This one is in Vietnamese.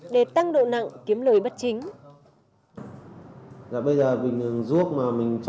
để tăng độ năng lực của công an quận hoàng mai